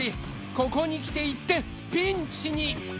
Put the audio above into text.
ここに来て一転ピンチに！